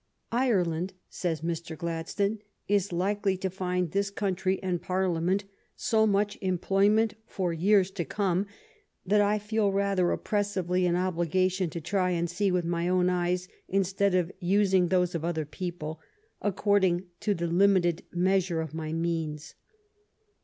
" Ireland," says Mr. Gladstone, " is likely to find this country and Parliament so much employment for years to come that I feel rather oppressively an obligation to try and see with my own eyes instead of using those of other people, according to the limited measure of my means.